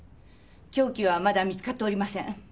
凶器はまだ見つかっておりません。